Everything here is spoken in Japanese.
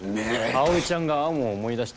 葵ちゃんが天羽を思い出した